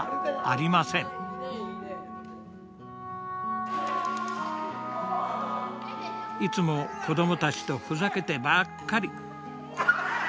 いつも子どもたちとふざけてばっかり。